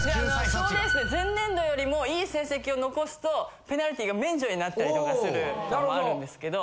賞レースで前年度よりも良い成績を残すとペナルティが免除になったりとかするあるんですけど。